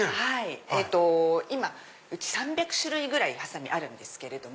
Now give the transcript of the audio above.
今うち３００種類ぐらいハサミあるんですけれども。